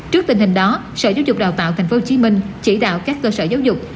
trước tình hình đó sở giáo dục đào tạo tp hcm chỉ đạo các cơ sở giáo dục